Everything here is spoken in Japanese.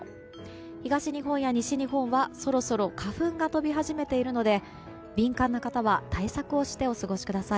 東日本や西日本は、そろそろ花粉が飛び始めているので敏感な方は対策をしてお過ごしください。